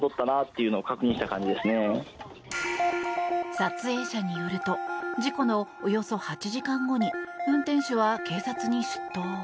撮影者によると事故のおよそ８時間後に運転手は警察に出頭。